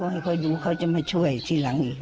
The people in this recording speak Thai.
เขาไม่ต้องเซนค่ะค่อยให้ดูเขาจะมาช่วยทีหลังอีก